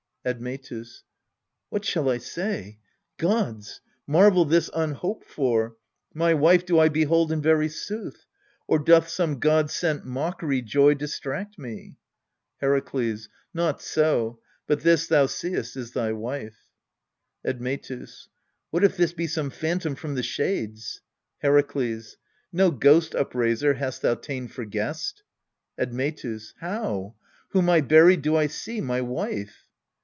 Admetus. What shall I say ? Gods ! Marvel this un hoped for ! My wife do I behold in very sooth, Or doth some god sent mockery joy distract me ? Herakles. Not so ; but this thou seest is thy wife. Admetus. What if this be some phantom from the shades? Herakles. No ghost upraiser hast thou ta'en for guest. Admetus. How? whom I buried do I see my wife?